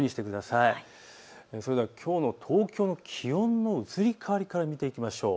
それではきょうの東京の気温の移り変わりから見ていきましょう。